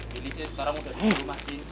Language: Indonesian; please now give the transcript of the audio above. wili sih sekarang sudah di rumah jin